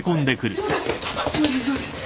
すいませんすいません。